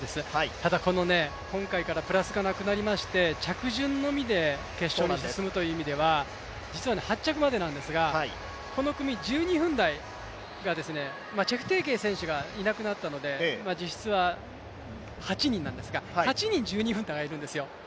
ただ今回からプラスがなくなりまして着順のみで決勝に進むという意味では実は８着までなんですがこの組１２分台が、チェプテゲイ選手がいなくなったので、実質は８人なんですが、８人１２分台がいるんですよ。